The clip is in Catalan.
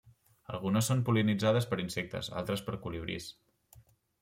Algunes són pol·linitzades per insectes, altres per colibrís.